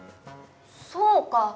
そうか。